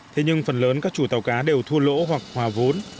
thế nhưng phần lớn các chủ tàu cá đều thua lỗ hoặc hòa vốn